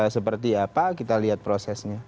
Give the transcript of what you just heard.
seperti apa kita lihat prosesnya